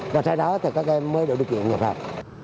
và sau đó thì các em mới được chuyển nhập học